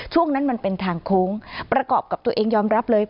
ช่วงนั้นมันเป็นทางโค้งประกอบกับตัวเองยอมรับเลย